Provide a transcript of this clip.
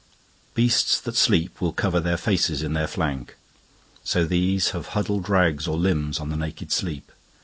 Beasts that sleep will coverTheir faces in their flank; so theseHave huddled rags or limbs on the naked sleep.